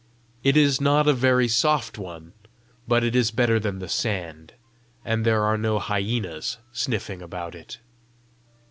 It is not a very soft one, but it is better than the sand and there are no hyenas sniffing about it!"